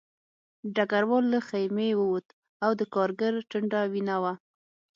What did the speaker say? ډګروال له خیمې ووت او د کارګر ټنډه وینه وه